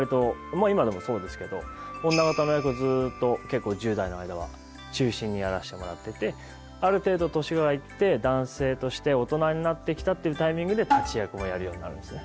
まあ今でもそうですけど女方の役をずっと結構１０代の間は中心にやらせてもらっててある程度年が行って男性として大人になってきたっていうタイミングで立役もやるようになるんですね。